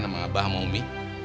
sama abah sama umi